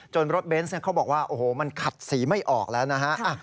รถเบนส์เขาบอกว่าโอ้โหมันขัดสีไม่ออกแล้วนะฮะ